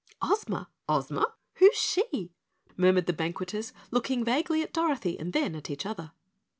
"Ozma, Ozma who's she?" murmured the banqueters, looking vaguely at Dorothy and then at each other.